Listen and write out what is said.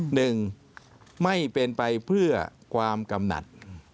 หนึ่งไม่เป็นไปเพื่อความกำหนัด